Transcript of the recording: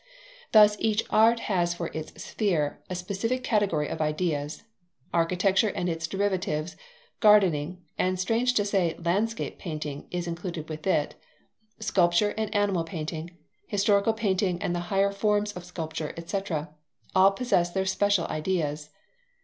Thus each art has for its sphere a special category of ideas. Architecture and its derivatives, gardening (and strange to say landscape painting is included with it), sculpture and animal painting, historical painting and the higher forms of sculpture, etc., all possess their special ideas.